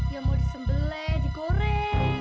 ya mau disembelai dikoreng